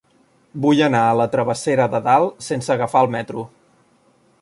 Vull anar a la travessera de Dalt sense agafar el metro.